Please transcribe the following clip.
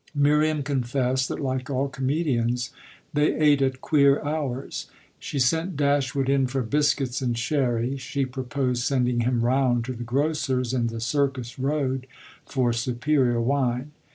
Miriam confessed that like all comedians they ate at queer hours; she sent Dashwood in for biscuits and sherry she proposed sending him round to the grocer's in the Circus Road for superior wine.